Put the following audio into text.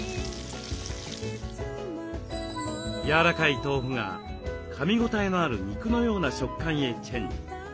やわらかい豆腐がかみ応えのある肉のような食感へチェンジ。